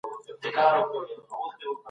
بهرنۍ تګلاره بې له وضاحت څخه نه منل کيږي.